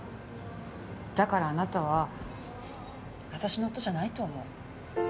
だからあなたは私の夫じゃないと思う。